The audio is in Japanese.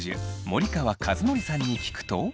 森川和則さんに聞くと。